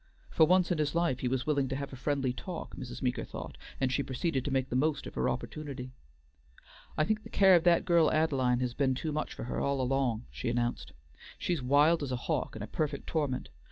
For once in his life he was willing to have a friendly talk, Mrs. Meeker thought, and she proceeded to make the most of her opportunity. "I think the care of that girl of Ad'line's has been too much for her all along," she announced, "she's wild as a hawk, and a perfect torment.